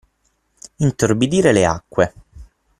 Intorbidire le acque.